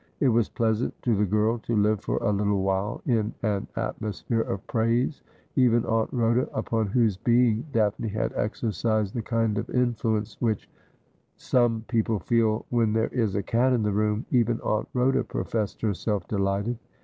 It was pleasant to the girl to live for a little while in an atmosphere of praise. Even Aunt Ehoda, upon whose being Daphne had exercised the kind of influence which some people feel when there is a cat in the room, even Aunt Rhoda professed herself delighted.